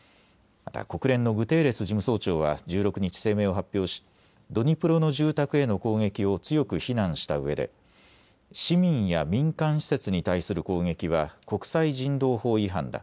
また国連のグテーレス事務総長は１６日、声明を発表しドニプロの住宅への攻撃を強く非難したうえで、市民や民間施設に対する攻撃は国際人道法違反だ。